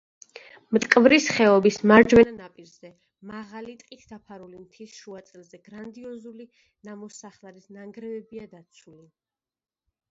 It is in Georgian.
მტკვრის ხეობის მარჯვენა ნაპირზე, მაღალი, ტყით დაფარული მთის შუაწელზე გრანდიოზული ნამოსახლარის ნანგრევებია დაცული.